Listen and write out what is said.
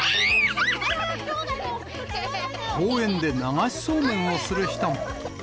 公園で流しそうめんをする人も。